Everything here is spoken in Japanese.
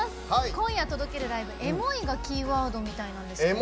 今夜届けるライブは「エモい」がキーワードなんですけど。